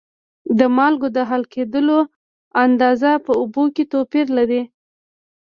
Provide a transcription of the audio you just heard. د مالګو د حل کیدلو اندازه په اوبو کې توپیر لري.